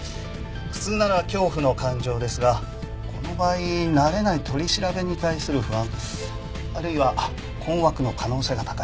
普通なら恐怖の感情ですがこの場合慣れない取り調べに対する不安あるいは困惑の可能性が高い。